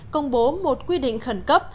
công bố một quy định khẩn cấp